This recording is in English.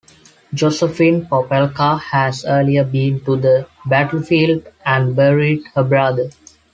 Josephine Popelka has earlier been to the battlefield and buried her brother.